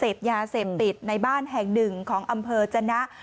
เสพยาเสพติดในบ้านแห่งหนึ่งของอำเภอจนะ